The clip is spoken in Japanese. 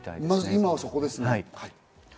今はそこですね。